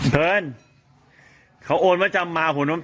พี่ปั๊ดเดี๋ยวมาที่ร้องให้